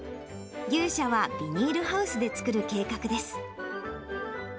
牛舎はビニールハウスで作る計画です。